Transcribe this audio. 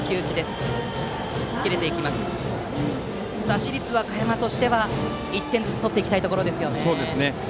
市立和歌山としては１点ずつ取っていきたいところ。